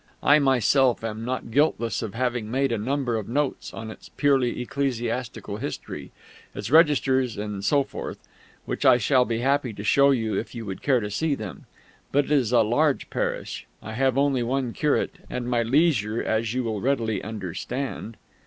I myself am not guiltless of having made a number of notes on its purely ecclesiastical history, its registers and so forth, which I shall be happy to show you if you would care to see them; but it is a large parish, I have only one curate, and my leisure, as you will readily understand